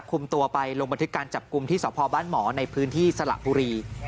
คุมตัวไปลงบันทึกการจับกลุ่มที่สพบ้านหมอในพื้นที่สละบุรี